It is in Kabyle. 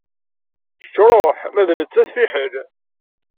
Kečč ṛuḥ ma d nettat fiḥel.